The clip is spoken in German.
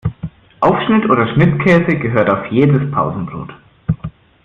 Aufschnitt oder Schnittkäse gehört auf jedes Pausenbrot.